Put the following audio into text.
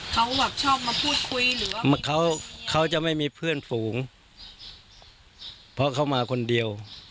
เขาแบบชอบมาพูดคุยหรือว่าเขาเขาจะไม่มีเพื่อนฝูงเพราะเขามาคนเดียว